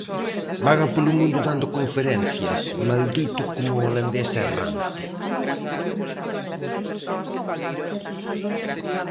Vaga polo mundo dando conferencias maldito como o Holandés Errante.